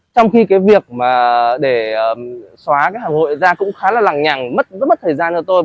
trong khi cái việc mà để xóa cái hàng hội ra cũng khá là lằng nhằng rất mất thời gian cho tôi